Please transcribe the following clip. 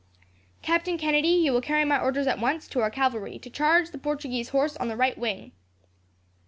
"Captain Kennedy, you will carry my orders at once, to our cavalry, to charge the Portuguese horse on the right wing."